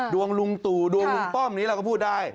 ดวงลุงตู่ดวงลุงป้อมนี้เราก็พูดได้